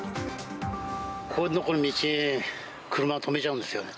こういう所の道に車止めちゃうんですよね。